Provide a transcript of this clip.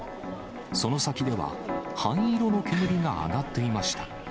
その先では灰色の煙が上がっていました。